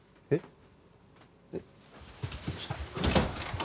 えっ？